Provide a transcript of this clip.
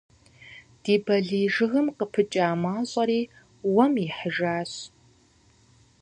Ди балий жыгым къыпыкӏа мащӏэри уэм ихьыжащ.